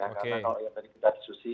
oke karena kalau yang tadi kita disusahkan